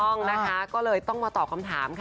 ต้องนะคะก็เลยต้องมาตอบคำถามค่ะ